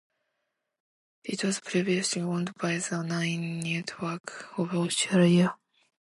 It was previously owned by the Nine Network of Australia.